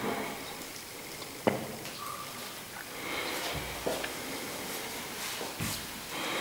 御嵩町为岐阜县可儿郡的町。